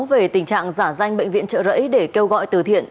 về tình trạng giả danh bệnh viện trợ rẫy để kêu gọi từ thiện